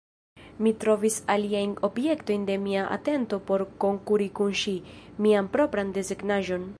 Mi trovis alian objekton de mia atento por konkuri kun ŝi: mian propran desegnaĵon.